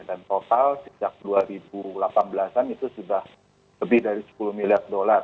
dan total sejak dua ribu delapan belas an itu sudah lebih dari sepuluh miliar dolar